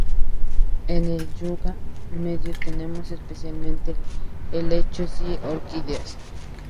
En el yunga medio tenemos especialmente helechos y orquídeas.